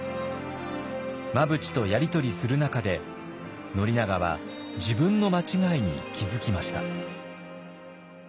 真淵とやり取りする中で宣長は自分の間違いに気付きました。